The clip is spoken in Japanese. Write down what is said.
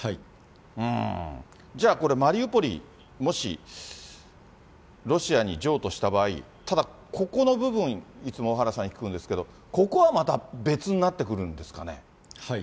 うーん。じゃあこれ、マリウポリ、もしロシアに譲渡した場合、ただここの部分、いつも小原さんに聞くんですけど、ここはまた別になってくるんですかね。